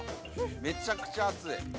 めちゃくちゃ熱い。